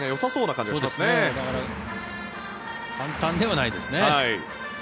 だから簡単ではないですね。